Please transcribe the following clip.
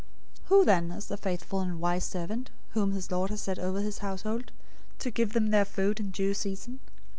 024:045 "Who then is the faithful and wise servant, whom his lord has set over his household, to give them their food in due season?